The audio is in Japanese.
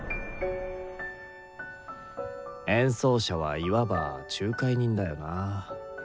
演奏者はいわば仲介人だよな。